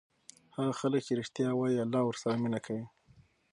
هغه خلک چې ریښتیا وایي الله ورسره مینه کوي.